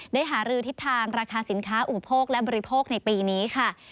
หารือทิศทางราคาสินค้าอุปโภคและบริโภคในปีนี้ค่ะ